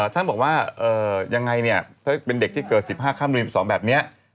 ท่านบอกว่ายังไงเนี่ยถ้าเป็นเด็กที่เกิดสิบห้าค่ำในวิวสองแบบเนี้ย